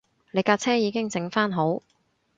你架車已經整番好